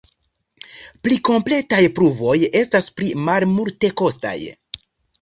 Pli kompletaj pruvoj estas pli malmultekostaj.